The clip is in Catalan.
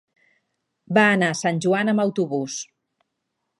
Va anar a Sant Joan amb autobús.